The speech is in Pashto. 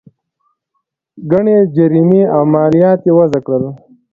ګڼې جریمې او مالیات یې وضعه کړل.